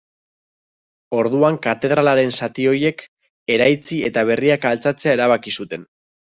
Orduan katedralaren zati horiek eraitsi eta berriak altxatzea erabaki zuten.